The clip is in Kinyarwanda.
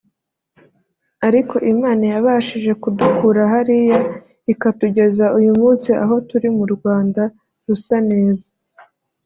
ariko Imana yabashije kudukura hariya ikatugeza uyu munsi aho turi mu Rwanda rusa neza